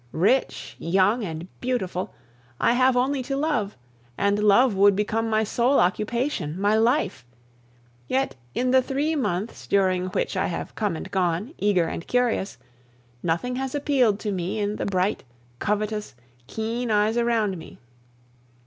Rich, young, and beautiful, I have only to love, and love would become my sole occupation, my life; yet in the three months during which I have come and gone, eager and curious, nothing has appealed to me in the bright, covetous, keen eyes around me.